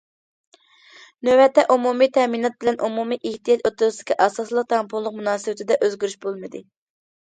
نۆۋەتتە ئومۇمىي تەمىنات بىلەن ئومۇمىي ئېھتىياج ئوتتۇرىسىدىكى ئاساسلىق تەڭپۇڭلۇق مۇناسىۋىتىدە ئۆزگىرىش بولمىدى.